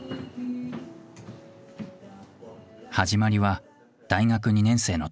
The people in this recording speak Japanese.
始まりは大学２年生の時。